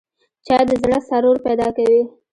چای د زړه سرور پیدا کوي